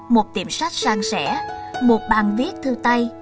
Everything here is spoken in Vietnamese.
một tiệm sách sang sẻ một bàn viết thư tay